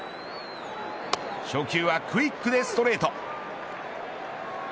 初球は、クイックでストレート。